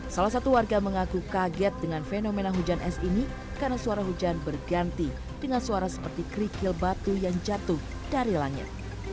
salah satu warga mengaku kaget dengan fenomena hujan es ini karena suara hujan berganti dengan suara seperti kerikil batu yang jatuh dari langit